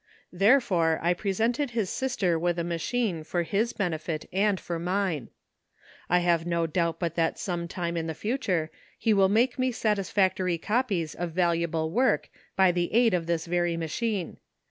Therefore I presented his sister with a machine for his benefit and for mine. *' I have no doubt but that some time in the future he will make me satisfactory copies of valuable work by the aid of this very machine.